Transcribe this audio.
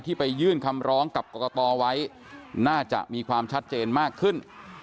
ไปยื่นคำร้องกับกรกตไว้น่าจะมีความชัดเจนมากขึ้น